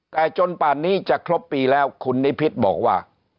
แต่จนป่านนี้จะครบปีแล้วคุณนิพิษบอกว่า